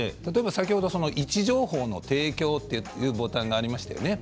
先ほど位置情報の提供というボタンがありましたよね。